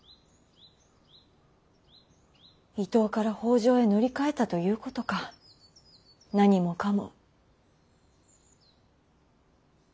伊東から北条へ乗り換えたということか何もかも。